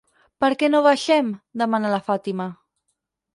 Per què no baixem? —demana la Fàtima.